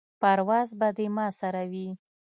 پرواز به دې ما سره وي.